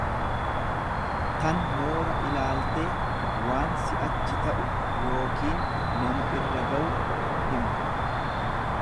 tan moora ilaaltee waan si'achi ta'u yookiin nama irra gawu himtu.